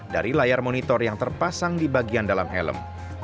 dari layar monitor yang terpasang di bagian dalam helm